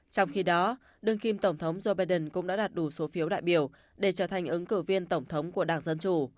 trong khi đó đương kim tổng thống joe biden cũng đã đạt đủ số phiếu đại biểu để trở thành ứng cử viên tổng thống của đảng dân chủ